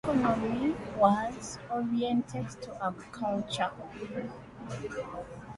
The early economy was oriented to agriculture.